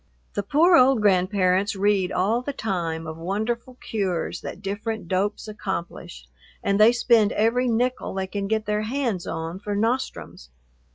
The poor old grandparents read all the time of wonderful cures that different dopes accomplish, and they spend every nickel they can get their hands on for nostrums.